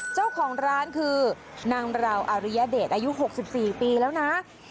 เจ้าของร้านคือนางเราอริยเดชอายุหกสิบสี่ปีแล้วนะ